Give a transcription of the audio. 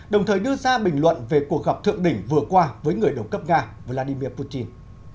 đồng thời đưa ra bình luận về cuộc gặp thượng đỉnh vừa qua với người đồng cấp nga vladimir putin